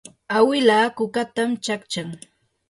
awila kukatan chaqchan.